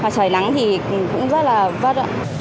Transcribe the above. trời nắng thì cũng rất là vất